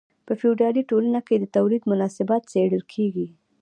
په فیوډالي ټولنه کې د تولید مناسبات څیړل کیږي.